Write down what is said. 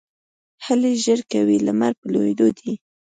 هلئ ژر کوئ ! لمر په لوېدو دی